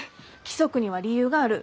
規則には理由がある。